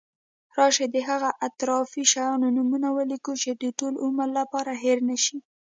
راشي د هغه اطرافي شیانو نومونه ولیکو چې د ټول عمر لپاره هېر نشی.